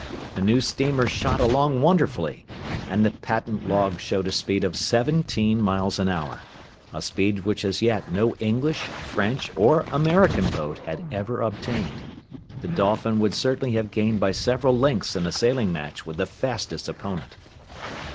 The new steamer shot along wonderfully, and the patent log showed a speed of seventeen miles an hour, a speed which as yet no English, French, or American boat had ever obtained. The Dolphin would certainly have gained by several lengths in a sailing match with the fastest opponent.